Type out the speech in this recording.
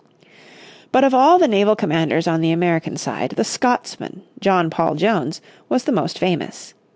But of all the naval commanders on the American side, the Scotsman, John Paul Jones, was the most famous.